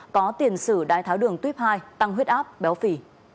có tiền sử đai tháo đường tuyếp hai tăng huyết áp béo phì